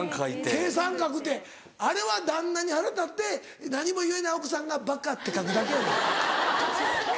計算書くってあれは旦那に腹立って何も言えない奥さんがバカって書くだけやで。